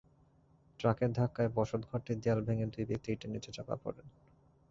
ট্রাকের ধাক্কায় বসতঘরটির দেয়াল ভেঙে দুই ব্যক্তি ইটের নিচে চাপা পড়েন।